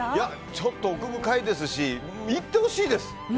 奥深いですし行ってほしいです。